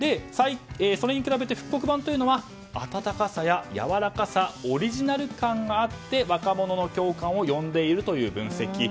それに比べて復刻版は温かさややわらかさオリジナル感があって若者の共感を呼んでいるという分析。